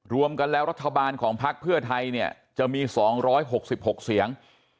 รวมกันแล้วรัฐบาลของพักเพื่อไทยเนี่ยจะมี๒๖๖เสียง